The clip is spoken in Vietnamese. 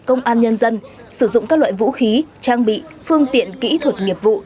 công an nhân dân sử dụng các loại vũ khí trang bị phương tiện kỹ thuật nghiệp vụ